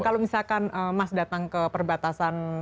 kalau misalkan mas datang ke perbatasan